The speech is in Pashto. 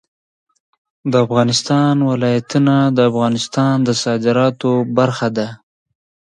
د افغانستان ولايتونه د افغانستان د صادراتو برخه ده.